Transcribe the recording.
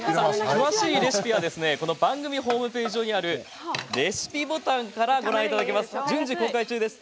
詳しいレシピは番組ホームページ上にあるレシピボタンから順次公開中です。